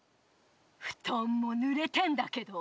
ふとんもぬれてんだけど。